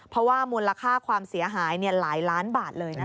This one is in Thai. เพราะว่ามูลค่าความเสียหายหลายล้านบาทเลยนะคะ